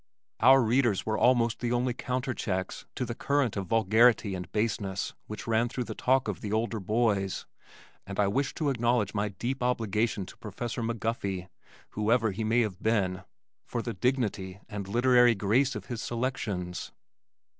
Our readers were almost the only counterchecks to the current of vulgarity and baseness which ran through the talk of the older boys, and I wish to acknowledge my deep obligation to Professor McGuffey, whoever he may have been, for the dignity and literary grace of his selections.